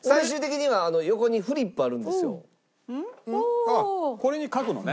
ああこれに書くのね。